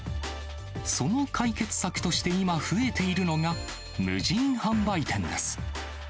その解決策として今、増えているのが、無人販売店です。